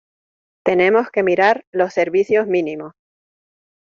Tenemos que mirar los servicios mínimos.